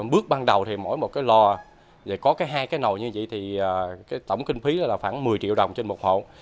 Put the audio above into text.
bước ban đầu thì mỗi một cái lò có cái hai cái nồi như vậy thì tổng kinh phí là khoảng một mươi triệu đồng trên một hộ